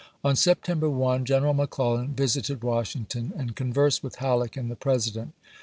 On September 1, General McClellan visited 1862. Washington and conversed with Halleck and the President.